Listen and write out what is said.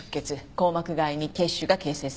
硬膜外に血腫が形成された。